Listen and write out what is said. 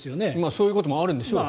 そういうこともあるんでしょう。